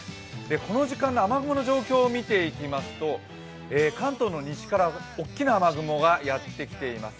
この時間の雨雲の状況を見ていきますと関東の西から大きな雨雲がやってきています。